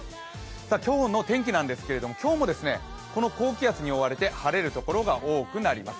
今日の天気なんですけれども、今日も高気圧に覆われて晴れるところが多くなります。